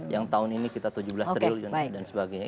yang tahun ini kita tujuh belas triliun dan sebagainya